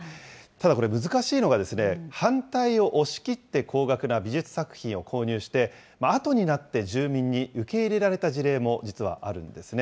ただ、これ、難しいのが、反対を押し切って高額な美術作品を購入して、あとになって住民に受け入れられた事例も実はあるんですね。